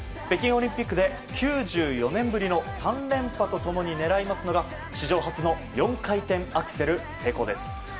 北京オリンピックで９４年ぶりの３連覇と共に狙いますのが史上初の４回転アクセル成功です。